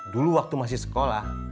dulu waktu masih sekolah